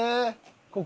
ここ？